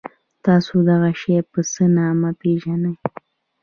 تاسو دغه شی په څه نامه پيژنی؟